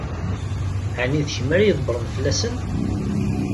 Ɛni d kemm ara ydebbṛen fell-asen?